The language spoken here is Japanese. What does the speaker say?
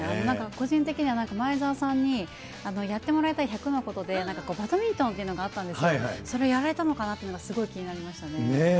なんか、個人的には前澤さんに、やってもらいたい１００のことで、バドミントンっていうのがあったんですけど、それやられたのかなっていうのが、すごい気になりましたね。